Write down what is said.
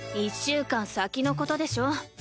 １週間先のことでしょ。